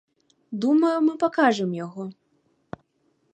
Думаю, мы пакажам яго.